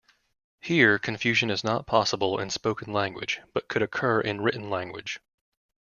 Here confusion is not possible in spoken language but could occur in written language.